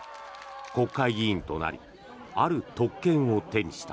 国会議員となりある特権を手にした。